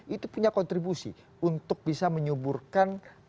itu punya kontribusi untuk bisa menyuburkan